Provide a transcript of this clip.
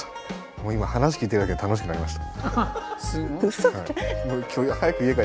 もう今話聞いてるだけで楽しくなりました。